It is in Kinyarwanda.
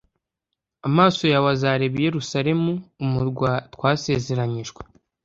amaso yawe azareba i Yerusalemu umurwa twasezeranyijwe